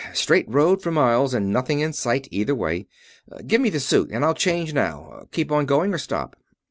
Straight road for miles, and nothing in sight either way. Give me the suit and I'll change now. Keep on going or stop?"